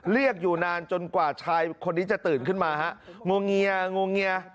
อยู่นานจนกว่าชายคนนี้จะตื่นขึ้นมาฮะงวงเงียงงเงีย